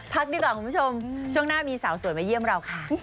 พักดีกว่าคุณผู้ชมช่วงหน้ามีสาวสวยมาเยี่ยมเราค่ะ